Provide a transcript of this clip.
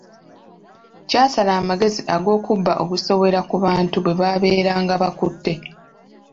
Kyasala amagezi ag’okubba obusowera ku bantu bwebaabeeranga bakutte.